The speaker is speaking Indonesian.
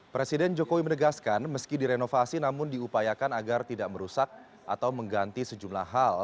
presiden jokowi menegaskan meski direnovasi namun diupayakan agar tidak merusak atau mengganti sejumlah hal